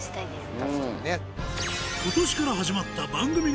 確かにね。